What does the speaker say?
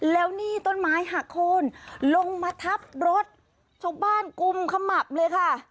แล้วนี่ต้นไม้หักโค้นลงมาทับรถชาวบ้านกุมขมับเลยค่ะ